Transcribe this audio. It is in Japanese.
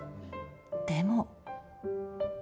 でも。